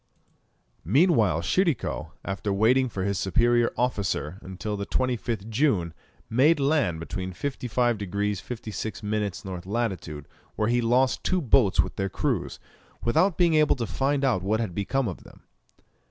Meanwhile Tschirikow, after waiting for his superior officer until the 25th June, made land between 55 degrees 56 minutes N. lat., where he lost two boats with their crews, without being able to find out what had become of them.